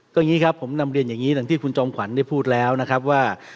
ก็อย่างนี้ครับผมนำเรียนอย่างนี้อย่างที่คุณจอมขวัญได้พูดแล้วนะครับว่า